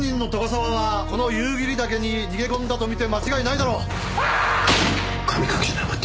沢はこの夕霧岳に逃げ込んだと見て間違いないだろう。あーっ！！